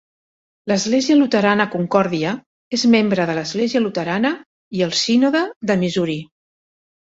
L'església luterana Concordia és membre de l'església luterana i el sínode de Missouri.